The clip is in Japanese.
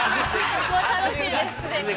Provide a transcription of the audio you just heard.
◆楽しいです。